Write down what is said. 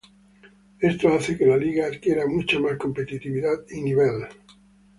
Esto hace que la liga adquiera mucha más competitividad y nivel.